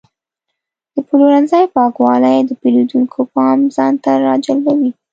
د پلورنځي پاکوالی د پیرودونکو پام ځان ته راجلبوي.